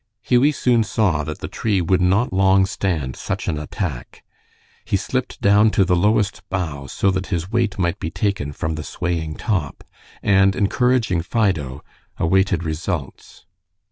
Hughie soon saw that the tree would not long stand such an attack. He slipped down to the lowest bough so that his weight might be taken from the swaying top, and encouraging Fido, awaited results.